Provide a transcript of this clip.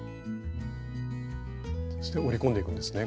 そして折り込んでいくんですね